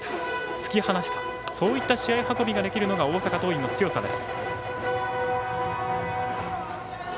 突き放したそういった試合運びができるのが大阪桐蔭の強さです。